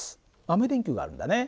豆電球があるんだね。